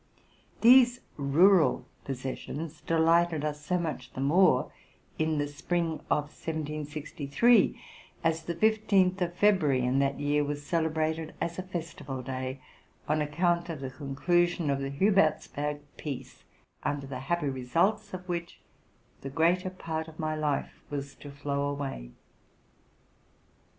These rural possessions delighted us so much the more in the spring of 1763, as the 15th of February in that year was celebrated as a festival day, on account of the conclusion of the Hubertsberg peace, under the happy results of which the greater part of my life was to flow away.